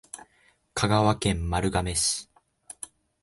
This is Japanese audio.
香川県丸亀市